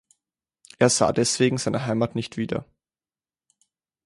Er sah deswegen seine Heimat nicht wieder.